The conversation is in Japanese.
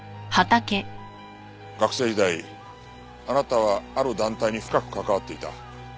学生時代あなたはある団体に深く関わっていた。